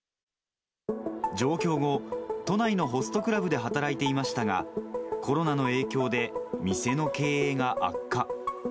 上京後、都内のホストクラブで働いていましたが、コロナの影響で店の経営が悪化。